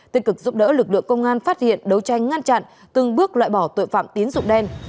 tích cực giúp đỡ lực lượng công an phát hiện đấu tranh ngăn chặn từng bước loại bỏ tội phạm tín dụng đen